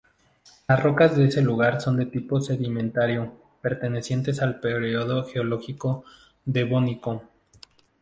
Las rocas de este lugar son de tipo sedimentario, pertenecientes al período geológico devónico.